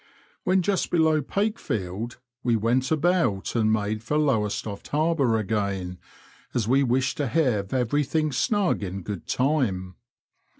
When just below Pakefield we went about and made for Lowestoft Harbour again, as we wished to have everything snuo^ in good time.